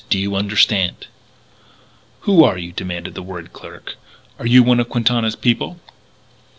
Do you understand?" "Who are you?" demanded the worried clerk. "Are you one of Quintana's people?"